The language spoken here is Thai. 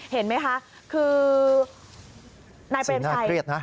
เห็นไหมคะคือนายเบรมชัยสิ่งน่าเครียดนะ